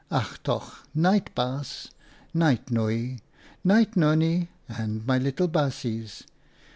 "Ach toch! Night, Baas. Night, Nooi. Night, Nonnie and my little baasjes.